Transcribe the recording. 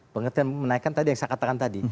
pengertian menaikkan tadi yang saya katakan tadi